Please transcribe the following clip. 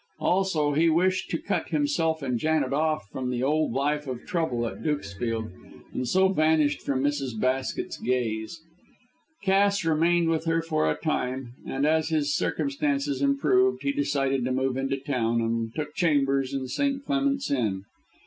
Also he wished to cut himself and Janet off from the old life of trouble at Dukesfield, and so vanished from Mrs. Basket's gaze. Cass remained with her for a time, but as his circumstances improved, he decided to move into town, and took chambers in St. Clement's Inn.